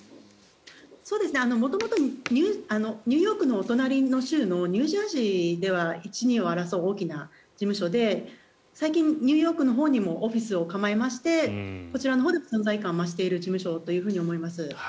元々ニューヨークのお隣の州のニュージャージーでは一、二を争う大きな事務所で最近ニューヨークのほうにもオフィスを構えましてこちらは存在感を増している事務所ということになります。